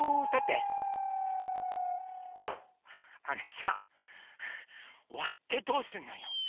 あのさわってどうすんのよ？